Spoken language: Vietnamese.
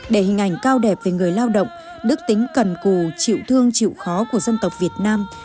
để hình ảnh cao đẹp về người lao động đức tính cần cù chịu thương chịu khó của dân tộc việt nam